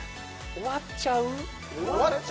終わっちゃう？